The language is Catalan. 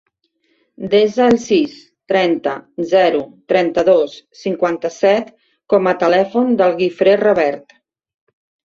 Desa el sis, trenta, zero, trenta-dos, cinquanta-set com a telèfon del Guifré Revert.